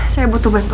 saya butuh bantuan